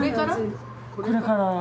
これから？